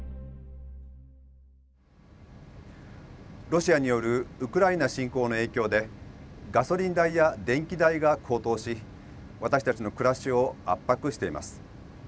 ロシアによるウクライナ侵攻の影響でガソリン代や電気代が高騰し私たちの暮らしを圧迫しています。